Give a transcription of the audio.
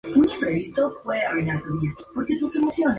La canción fue incluida en la serie "Cold Case" y "My Mad Fat Diary".